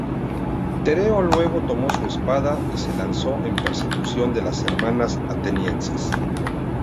Tereo luego tomó su espada y se lanzó en persecución de las hermanas atenienses.